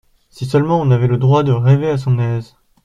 Si seulement on avait le droit de rêver à son aise !